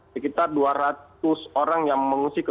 sekitar dua ratus orang yang meninggal